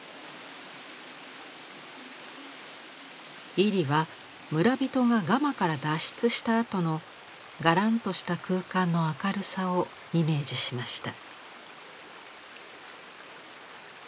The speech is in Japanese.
位里は村人がガマから脱出したあとのがらんとした空間の明るさをイメージしました。